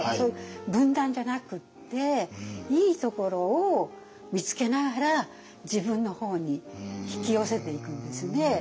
分断じゃなくっていいところを見つけながら自分の方に引き寄せていくんですね。